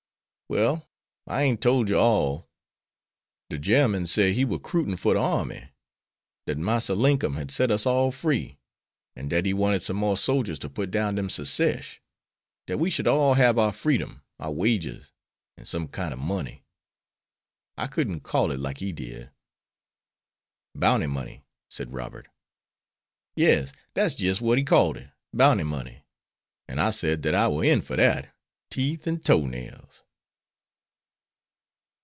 "Well, I ain't tole you all. De gemman said he war 'cruiting for de army; dat Massa Linkum hab set us all free, an' dat he wanted some more sogers to put down dem Secesh; dat we should all hab our freedom, our wages, an' some kind ob money. I couldn't call it like he did." "Bounty money," said Robert. "Yes, dat's jis' what he called it, bounty money. An' I said dat I war in for dat, teeth and toe nails."